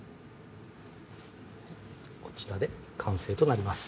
こちらで完成となります